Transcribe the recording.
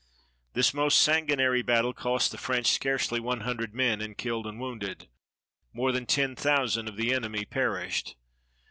This most sanguinary battle cost the French scarcely one hundred men in killed and wounded. More than ten thousand of the enemy perished.